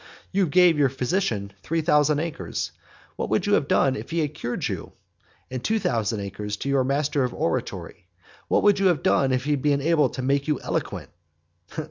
You gave your physician three thousand acres; what would you have done if he had cured you? and two thousand to your master of oratory; what would you have done if he had been able to make you eloquent?